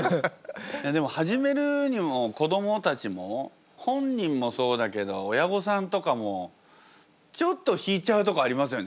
でも始めるにも子どもたちも本人もそうだけど親御さんとかもちょっと引いちゃうとこありますよね。